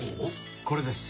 これです。